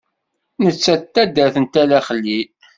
Netta n taddart n Tala Xlil.